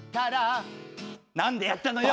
なんでやったのよ！